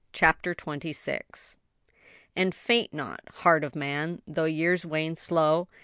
CHAPTER TWENTY SIXTH. "And faint not, heart of man! though years wane slow!